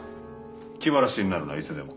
気晴らしになるならいつでも。